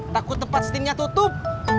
takut tempat steamnya tutup